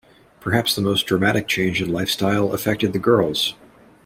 Perhaps the most dramatic change in lifestyle affected the girls.